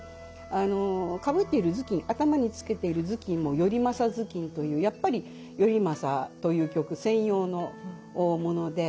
かぶっている頭巾頭につけている頭巾も頼政頭巾というやっぱり「頼政」という曲専用のもので。